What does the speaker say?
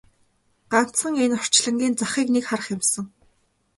Ганцхан энэ орчлонгийн захыг нэг харах юмсан!